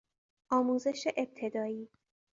آموزش ابتدایی